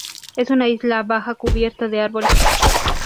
Es una isla baja cubierta de árboles.